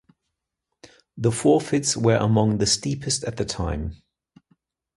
The forfeits were among the steepest at the time.